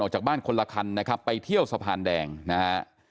จากบ้านคนละคันนะครับไปเที่ยวสะพานแดงนะฮะ